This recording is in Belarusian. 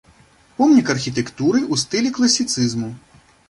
Помнік архітэктуры ў стылі класіцызму.